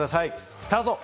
スタート！